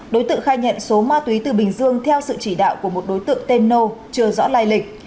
đối tượng khai nhận số ma túy từ bình dương theo sự chỉ đạo của một đối tượng tên nô chưa rõ lai lịch